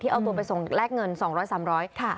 เอาตัวไปส่งแลกเงิน๒๐๐๓๐๐บาท